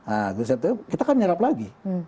agustus september kita kan menyerap lagi